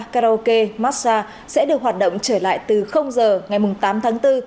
karaoke massage sẽ được hoạt động trở lại từ giờ ngày tám tháng bốn